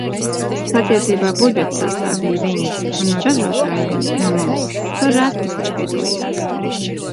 Patiesībā budžetu sastādīja viņi, un no ražotājiem, no mums tur reti kurš piedalījās.